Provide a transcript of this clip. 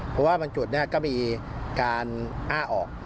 เพราะว่าบางจุดก็มีการอ้าออก